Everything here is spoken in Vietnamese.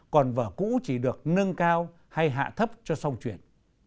còn vở cũ chỉ được nâng cao hay hạ thấp cho song chuyển